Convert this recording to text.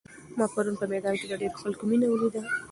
ما پرون په میدان کې د ډېرو خلکو مینه ولیده.